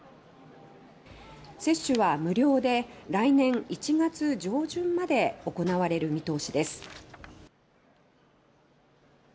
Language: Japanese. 接種は無料で、来年１月上旬まで行われる見通しです。